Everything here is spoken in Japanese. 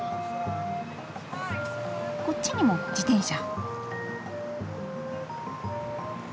こっちにも自転車。